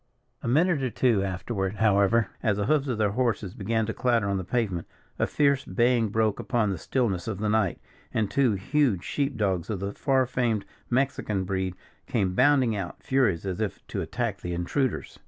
A minute or two afterward, however, as the hoofs of their horses began to clatter on the pavement, a fierce baying broke upon the stillness of the night, and two huge sheep dogs, of the far famed Mexican breed, came bounding out, furious, as if to attack the intruders.